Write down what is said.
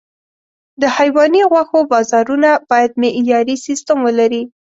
د حيواني غوښو بازارونه باید معیاري سیستم ولري.